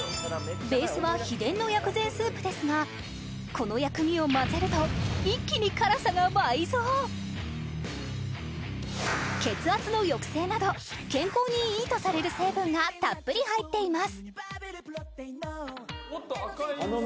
ベースは秘伝の薬膳スープですがこの薬味を混ぜると一気に辛さが倍増血圧の抑制など健康にいいとされる成分がたっぷり入っています